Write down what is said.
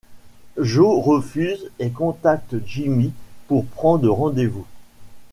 Joe refuse, et contacte Jimmy pour prendre rendez-vous.